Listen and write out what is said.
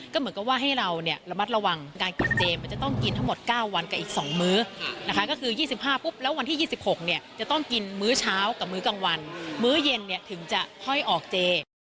ก็เหมือนกับว่าให้เราเนี่ยระมัดระวังการกินเจมันจะต้องกินทั้งหมด๙วันกับอีก๒มื้อนะคะก็คือ๒๕ปุ๊บแล้ววันที่๒๖เนี่ยจะต้องกินมื้อเช้ากับมื้อกลางวันมื้อเย็นเนี่ยถึงจะค่อยออกเจ